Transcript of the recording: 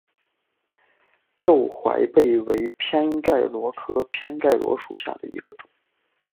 皱杯贝为偏盖螺科偏盖螺属下的一个种。